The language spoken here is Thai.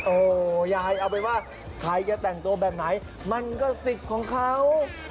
โอ้โหยายเอาไปว่าใครจะแต่งตัวแบบไหนมันก็สิทธิ์ของเขา